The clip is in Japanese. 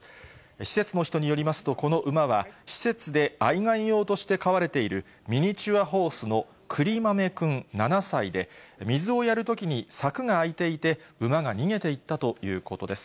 施設の人によりますと、この馬は施設で愛がん用として飼われているミニチュアホースのくりまめくん７歳で、水をやるときに柵が開いていて、馬が逃げていったということです。